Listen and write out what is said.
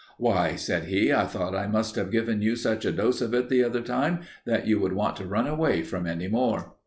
"Why," said he, "I thought I must have given you such a dose of it the other time that you would want to run away from any more."